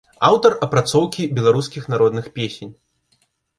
Аўтар апрацоўкі беларускіх народных песень.